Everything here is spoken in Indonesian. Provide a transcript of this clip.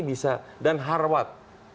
bisa dan harwat